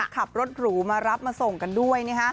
ขับรถหรูมารับมาส่งกันด้วย